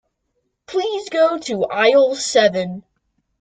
Please go to aisle seven.